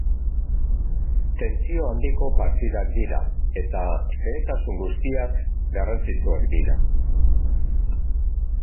Tentsio handiko partidak dira, eta xehetasun guztiak garrantzitsuak dira.